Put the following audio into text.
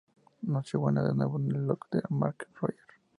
Nochebuena de nuevo en el loft de Mark y Roger.